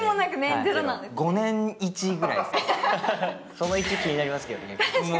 その１、気になりますけどね。